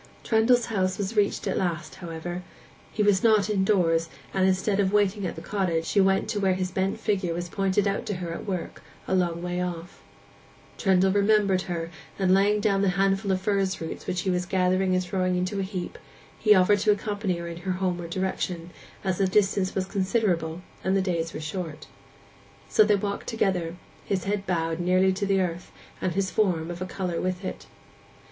Trendle's house was reached at last, however: he was not indoors, and instead of waiting at the cottage, she went to where his bent figure was pointed out to her at work a long way off. Trendle remembered her, and laying down the handful of furze roots which he was gathering and throwing into a heap, he offered to accompany her in her homeward direction, as the distance was considerable and the days were short. So they walked together, his head bowed nearly to the earth, and his form of a colour with it.